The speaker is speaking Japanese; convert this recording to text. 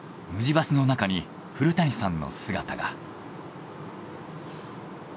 バスの中に古谷さんの姿が。